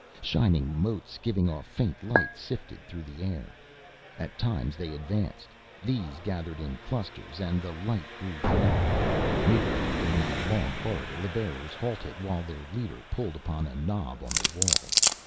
Shining motes, giving off faint light, sifted through the air. At times as they advanced, these gathered in clusters and the light grew brighter. Midway down a long corridor the bearers halted while their leader pulled upon a knob on the wall.